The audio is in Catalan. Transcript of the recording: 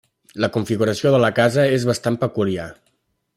La configuració de la casa és bastant peculiar.